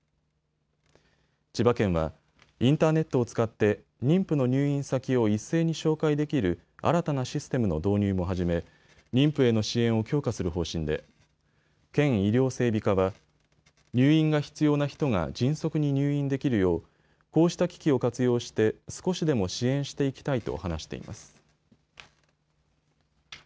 千葉県はインターネットを使って妊婦の入院先を一斉に照会できる新たなシステムの導入も始め妊婦への支援を強化する方針で県医療整備課は入院が必要な人が迅速に入院できるようこうした機器を活用して少しでも支援していきたいと話しています。